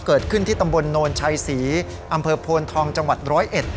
เกิดขึ้นที่ตำบลโนนชัยศรีอำเภอโพนทองจังหวัดร้อยเอ็ด